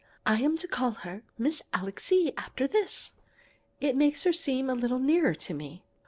I'm to call her Miss Alixe after this. It makes me seem a little nearer to her."